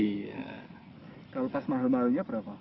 kalau pas mahal mahalnya berapa